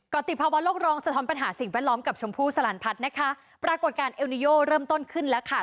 ติภาวะโลกรองสะท้อนปัญหาสิ่งแวดล้อมกับชมพู่สลันพัฒน์นะคะปรากฏการณเอลนิโยเริ่มต้นขึ้นแล้วค่ะ